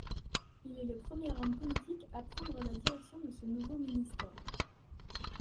Il est le premier homme politique à prendre la direction de ce nouveau Ministère.